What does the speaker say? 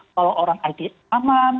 kalau orang it aman